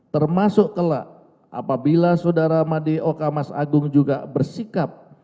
termasuk telah apabila saudara madeo kamas agung juga bersikap